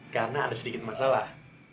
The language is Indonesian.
karena ada sedikit masalah